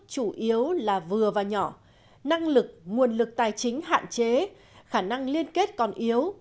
chủ yếu là vừa và nhỏ năng lực nguồn lực tài chính hạn chế khả năng liên kết còn yếu